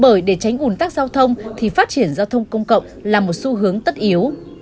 bởi để tránh ủn tắc giao thông thì phát triển giao thông công cộng là một xu hướng tất yếu